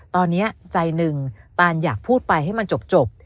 ตอนนี้ใจหนึ่งตานอยากพูดไปให้มันจบ